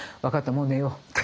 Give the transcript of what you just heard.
もう寝ようって。